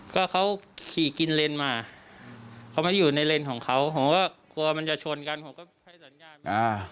ก็เขาขี่กินเลนมาเขามาอยู่ในเลนส์ของเขาผมก็กลัวมันจะชนกันผมก็ให้สัญญาณอ่า